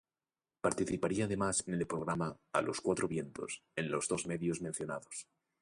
Participaría además en el programa "A los cuatro vientos" en los dos medios mencionados.